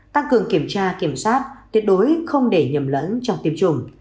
tăng cường kiểm tra kiểm soát tuyệt đối không để nhầm lẫn trong tiêm chủng